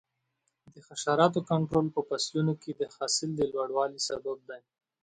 د حشراتو کنټرول په فصلونو کې د حاصل د لوړوالي سبب دی.